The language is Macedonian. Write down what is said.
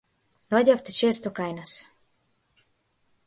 Доаѓавте често кај нас.